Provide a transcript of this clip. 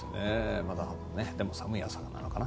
まだ寒い朝なのかな？